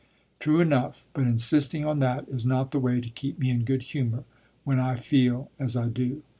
"True enough; but insisting on that is not the way to keep me in good humor when I feel as I do."